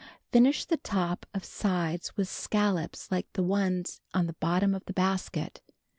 Finish the top of sides with scallops like the ones on the bottom of the basket.